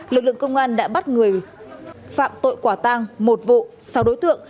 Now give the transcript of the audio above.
lực lượng công an đã bắt người phạm tội quả tang một vụ sáu đối tượng